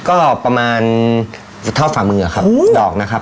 ก็ประมาณเท่าฝ่ามือครับดอกนะครับ